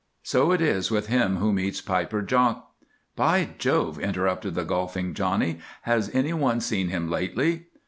So it is with him who meets "Piper Jock." "By Jove," interrupted the golfing "Johnny," "has anyone seen him lately?"